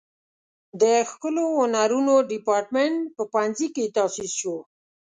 د ښکلو هنرونو دیپارتمنټ په پوهنځي کې تاسیس شو.